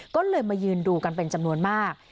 ก็เลยมายืนดูกันเป็นจำนวนมาก